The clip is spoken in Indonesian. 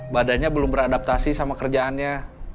badannya belum beradaptasi sama kerjaannya